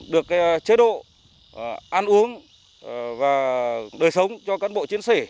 được chế độ ăn uống và đời sống cho cán bộ chiến sĩ